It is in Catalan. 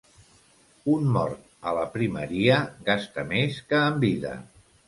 Un mort, a la primeria, gasta més que en vida.